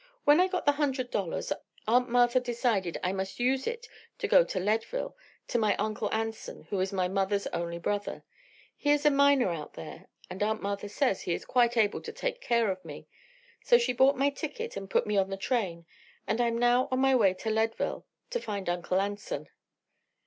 When I got the hundred dollars Aunt Martha decided I must use it to go to Leadville, to my Uncle Anson, who is my mother's only brother. He is a miner out there, and Aunt Martha says he is quite able to take care of me. So she bought my ticket and put me on the train and I'm now on my way to Leadville to find Uncle Anson."